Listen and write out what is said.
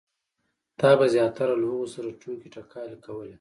تا به زیاتره له هغو سره ټوکې ټکالې کولې.